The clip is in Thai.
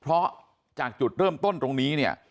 เพราะจากจุดเริ่มต้นตรงนี้เนี่ย